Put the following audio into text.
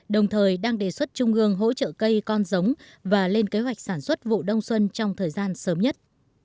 đồng thời đang đề xuất trung ương hỗ trợ cây con giống và lên kế hoạch sản xuất vụ đông xuân trong thời gian sớm nhất